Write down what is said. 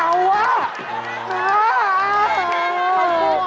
มาดูวะ